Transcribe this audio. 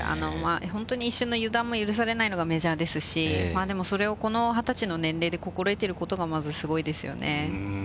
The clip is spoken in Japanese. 本当に一瞬の油断も許されないのがメジャーですし、でもそれをこの２０歳の年齢で心得ていることがまずすごいですよね。